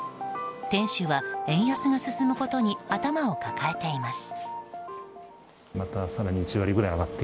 店主は円安が進むことに頭を抱えています。